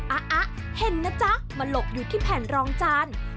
อะเห็นนะจ๊ะมาหลบอยู่ที่แผ่นรองจาน